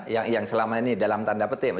yang selama ini dalam tanda petik